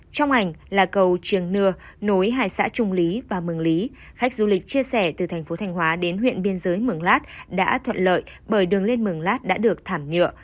trong ảnh là cầu trường nưa nối hai xã trung lý và mường lý khách du lịch chia sẻ từ thành phố thanh hóa đến huyện biên giới mường lát đã thuận lợi bởi đường lên mường lát đã được thảm nhựa